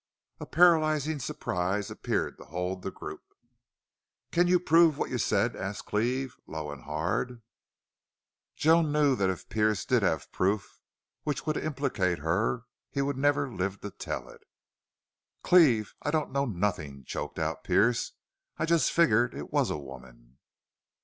A paralyzing surprise appeared to hold the group. "Can you prove what you said?" asked Cleve, low and hard. Joan knew that if Pearce did have the proof which would implicate her he would never live to tell it. "Cleve I don't know nothin'," choked out Pearce. "I jest figgered it was a woman!"